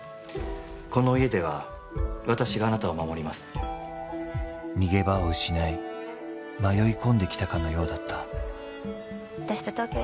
この家では私があなたを守ります逃げ場を失い迷い込んできたかのようだった私と東京行